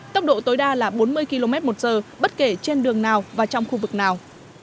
tốc độ tối đa là bốn mươi km một giờ bất kể trên đường nào và trong khu vực nào